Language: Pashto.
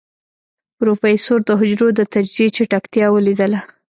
پروفيسر د حجرو د تجزيې چټکتيا وليدله.